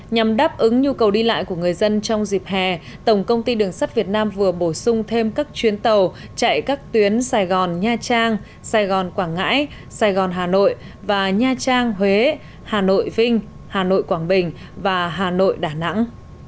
nhằm đáp ứng nhu cầu đi lại của người dân trong dịp hè tổng công ty đường sắt việt nam vừa bổ sung thêm các chuyến tàu chạy các tuyến sài gòn nha trang sài gòn quảng ngãi sài gòn hà nội và nha trang huế hà nội vinh hà nội quảng bình và hà nội đà nẵng